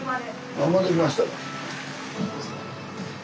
あ戻ってきました。